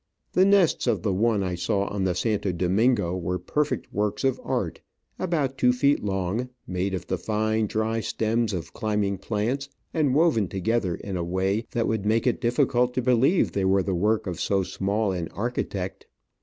The nests of the one I saw on the Santo Domingo were perfect works of art, about two feet long, made of the fine, dry stems of climbing plants, and woven together in a way that would make it difficult to believe they were the work of so small an architect.